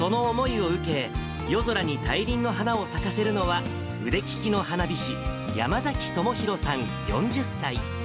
その思いを受け、夜空に大輪の花を咲かせるのは、腕利きの花火師、山崎ともひろさん４０歳。